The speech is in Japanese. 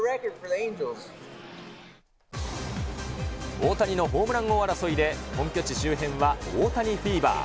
大谷のホームラン王争いで、本拠地周辺は大谷フィーバー。